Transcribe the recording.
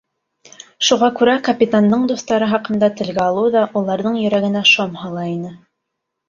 Шуға күрә капитандың дуҫтары хаҡында телгә алыу ҙа уларҙың йөрәгенә шом һала ине.